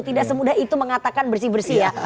tidak semudah itu mengatakan bersih bersih ya